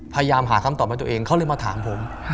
พยายามหาคำตอบให้ตัวเองเขาเลยมาถามผม